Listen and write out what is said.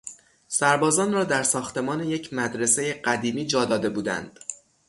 سربازان را در ساختمان یک مدرسهی قدیمی جا داده بودند.